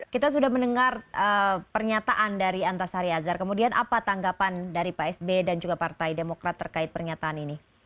kita sudah mendengar pernyataan dari antasari azhar kemudian apa tanggapan dari pak sb dan juga partai demokrat terkait pernyataan ini